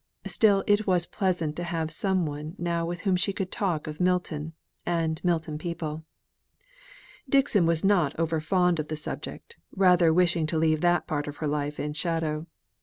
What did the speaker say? Still it was pleasant to have some one now with whom she could talk of Milton, and Milton people. Dixon was not over fond of the subject, rather wishing to leave that part of her life in shadow.